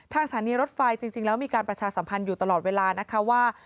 สถานีรถไฟจริงแล้วมีการประชาสัมพันธ์อยู่ตลอดเวลานะคะว่า